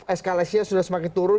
eskalasi nya sudah semakin turun